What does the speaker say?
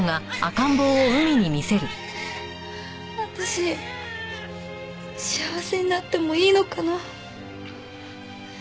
私幸せになってもいいのかな？